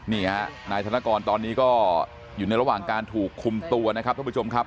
นี่ฮะนายธนกรตอนนี้ก็อยู่ในระหว่างการถูกคุมตัวนะครับท่านผู้ชมครับ